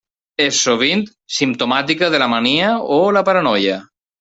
És sovint simptomàtica de la mania o la paranoia.